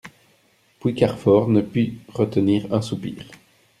Puis Carfor ne put retenir un soupir.